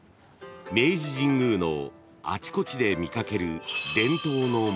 ［明治神宮のあちこちで見かける］